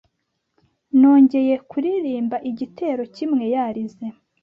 Nongeye kuririmbaigitero kimwe yarize